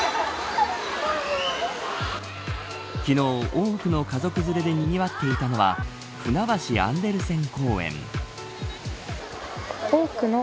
昨日、多くの家族連れでにぎわっていたのはふなばしアンデルセン公園。